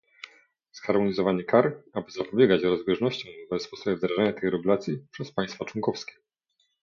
zharmonizowanie kar, aby zapobiegać rozbieżnościom w sposobie wdrażania tych regulacji przez państwa członkowskie